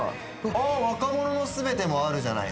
『若者のすべて』もあるじゃない。